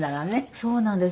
そうなんです。